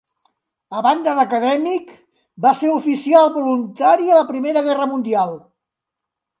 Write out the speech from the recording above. A banda d'acadèmic, va ser oficial voluntari a la Primera Guerra Mundial.